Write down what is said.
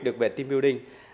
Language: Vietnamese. được về team building